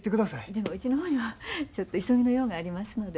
でもうちの方にもちょっと急ぎの用がありますので。